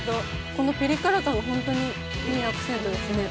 このピリ辛感がホントにいいアクセントですね。